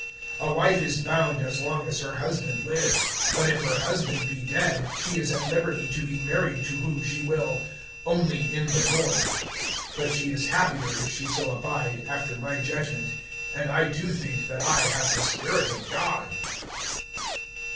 (39)A wife is bound as long as her husband lives; but if her husband be dead, she is at liberty to be married to whom she will; only in the Lord. (40)But she is happier if she so abide, after my judgment; and I too think that I have the Spirit of God.